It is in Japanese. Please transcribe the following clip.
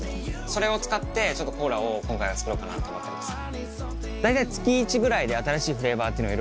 それを使ってちょっとコーラを今回は作ろうかなと思ってます。